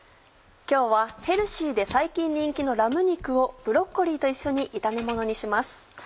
今日はヘルシーで最近人気のラム肉をブロッコリーと一緒に炒めものにします。